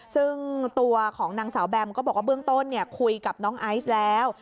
ซึ่งตัวของนางสาวแบมก็บอกว่าเบื้องต้นคุยกับน้องไอซ์แล้ว